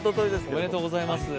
おめでとうございます。